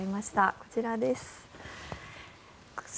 こちらです。